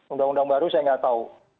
undang undang baru saya nggak tahu